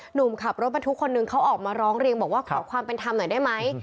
หนุ่มขับรถบรรทุกคนนึงเขาออกมาร้องเรียนบอกว่าขอความเป็นธรรมหน่อยได้ไหม